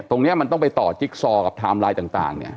ตรงนี้มันต้องไปต่อจิ๊กซอกับไทม์ไลน์ต่างเนี่ย